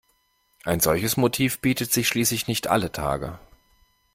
Ein solches Motiv bietet sich schließlich nicht alle Tage.